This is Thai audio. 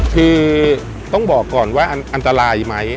คือต้องบอกก่อนว่าอันตรายไหม